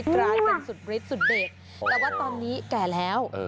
กลายเป็นสุดฤทธิสุดเด็ดแต่ว่าตอนนี้แก่แล้ว